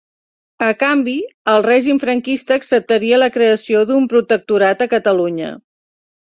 A canvi, el règim franquista acceptaria la creació d'un protectorat a Catalunya.